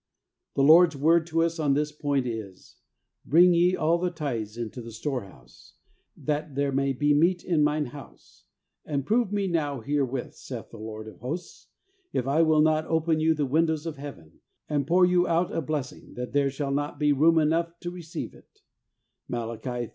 The Lord's word to us on this point is, ' Bring ye all the tithes into the storehouse, that there may be meat in Mine house ; and prove me now herewith, saith the Lord of Hosts, if I will not open you the windows of Heaven, and pour you out a blessing, that there shall not be room enough to receive it ' (Mai.